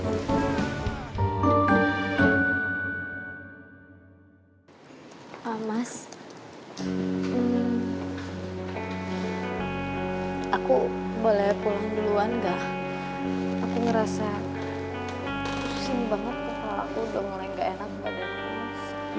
udah mulai gak enak badan